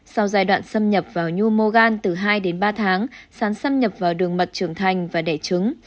sau giai đoạn xâm nhập vào nhu mô gan từ hai đến ba tháng sán xâm nhập vào đường mật trưởng thành và đẻ trứng